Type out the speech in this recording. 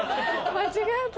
間違えた。